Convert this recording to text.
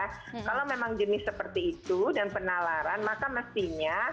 kalau memang jenis seperti itu dan penalaran maka mestinya